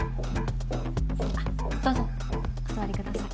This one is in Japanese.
あっどうぞお座りください。